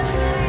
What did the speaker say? terima kasih bu